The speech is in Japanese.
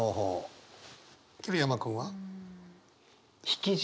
桐山君は？